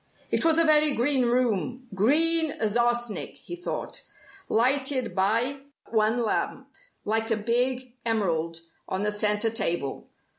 It was a very green room green as arsenic, he thought lighted by one lamp, like a big emerald, on a centre table.